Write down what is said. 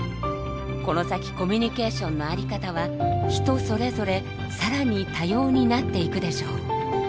この先コミュニケーションの在り方は人それぞれ更に多様になっていくでしょう。